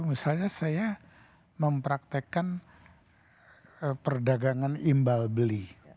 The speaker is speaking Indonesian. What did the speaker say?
misalnya saya mempraktekkan perdagangan imbal beli